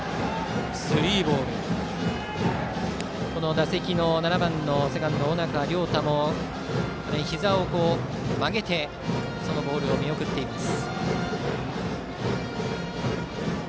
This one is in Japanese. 打席の７番のセカンド、尾中亮太もひざを曲げてボールを見送っています。